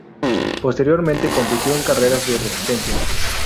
Posteriormente compitió en carreras de resistencia.